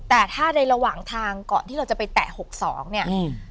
แต่ถ้าในระหว่างทางก่อนที่เราจะไปแตะหกสองเนี่ยอืม